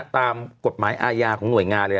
ตามกฎหมายอาญาของหน่วยงานเลย